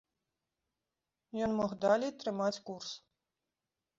Ён мог далей трымаць курс.